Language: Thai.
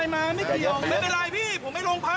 มันไม่ได้ยก